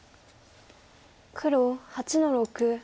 黒８の六。